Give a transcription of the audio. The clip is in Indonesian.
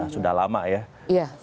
sudah lama ya